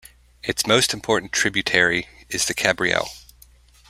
Its most important tributary is the Cabriel.